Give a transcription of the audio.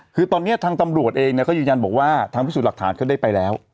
คือตอนนี้ทางตำรวจเองเนี่ยเขายืนยันบอกว่าทางพิสูจน์หลักฐานเขาได้ไปแล้ว